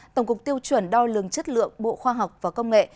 tổng cục tiêu chuẩn đo lường chất lượng bộ khoa học và công nghệ